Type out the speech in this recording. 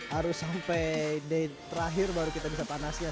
harus sampai day terakhir baru kita bisa panas ya